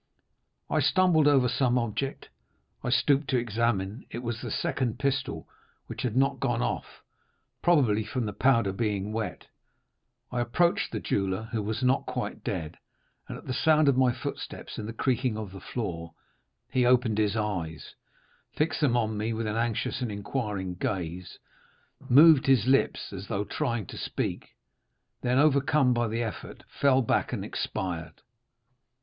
"I stumbled over some object; I stooped to examine—it was the second pistol, which had not gone off, probably from the powder being wet. I approached the jeweller, who was not quite dead, and at the sound of my footsteps and the creaking of the floor, he opened his eyes, fixed them on me with an anxious and inquiring gaze, moved his lips as though trying to speak, then, overcome by the effort, fell back and expired.